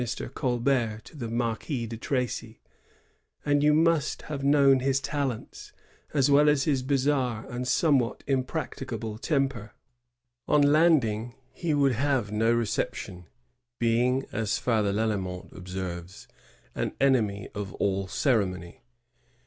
17& ter Colbert to the Marquis de Tracy, "and you must have known his talents, as well as his bizarre and somewhat impracticable temper." On landing, he would have no reception, being, as Father Lalemant observes, "an enemy of all ceremony."